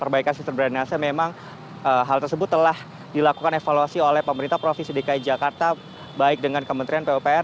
perbaikan sistem drainase memang hal tersebut telah dilakukan evaluasi oleh pemerintah provinsi dki jakarta baik dengan kementerian pupr